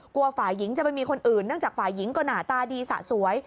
ฝ่ายหญิงจะไปมีคนอื่นเนื่องจากฝ่ายหญิงก็หน้าตาดีสะสวย